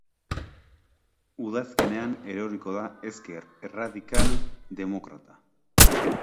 Udazkenean eroriko da ezker erradikal demokrata.